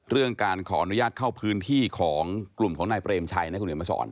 เรื่องการขออนุญาตเข้าพื้นที่ของกลุ่มของนายเปรมชัยนะคุณเห็นมาสอน